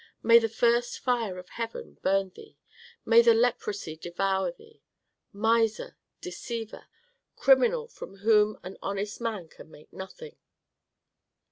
May the first fire of heaven burn thee! May the leprosy devour thee! Miser, deceiver, criminal from whom an honest man can make nothing."